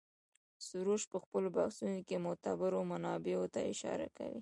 سروش په خپلو بحثونو کې معتبرو منابعو ته اشاره کوي.